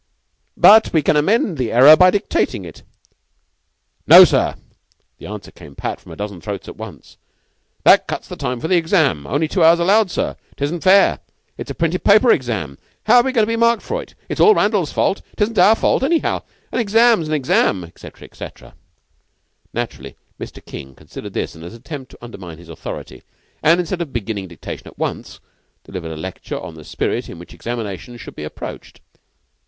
"But we can amend the error by dictating it." "No, sir." The answer came pat from a dozen throats at once. "That cuts the time for the exam. Only two hours allowed, sir. 'Tisn't fair. It's a printed paper exam. How're we goin' to be marked for it! It's all Randall's fault. It isn't our fault, anyhow. An exam.'s an exam.," etc., etc. Naturally Mr. King considered this was an attempt to undermine his authority, and, instead of beginning dictation at once, delivered a lecture on the spirit in which examinations should be approached.